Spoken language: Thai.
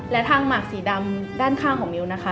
และทางหมากสีดำด้านข้างของมิวนะคะ